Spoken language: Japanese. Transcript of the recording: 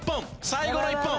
最後の１本！